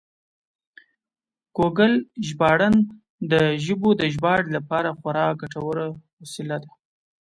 ګوګل ژباړن د ژبو د ژباړې لپاره خورا ګټور وسیله ده.